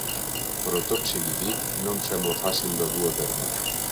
Però, tot sigui dit, no em sembla fàcil de dur a terme.